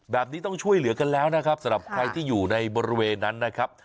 แบบนี้ต้องช่วยเหลือกันแล้วนะครับสำหรับใครที่อยู่ในบริเวณนั้นนะครับ